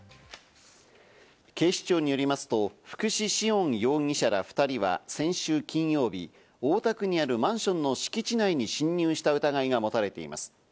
警視庁によりますと、福士至恩容疑者ら２人は先週金曜日、大田区にあるマンションの敷地内に侵入した疑いが持たれています。